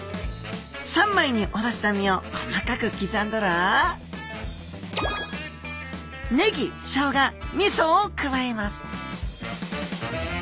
三枚におろした身を細かく刻んだらネギショウガ味噌を加えます